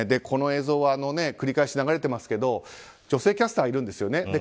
この映像は繰り返し流れてますけど女性キャスターいるんですよね。